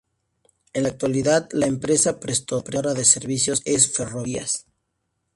En la actualidad la empresa prestadora de servicios es Ferrovías.